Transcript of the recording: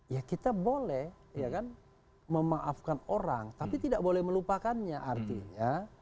ya kita boleh ya kan memaafkan orang tapi tidak boleh melupakannya artinya